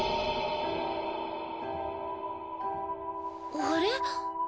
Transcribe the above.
あれ？